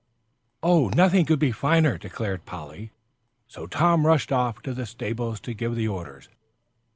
"Oh, nothing could be finer," declared Polly, and Jasper joined. So Tom rushed off to the stables to give the orders.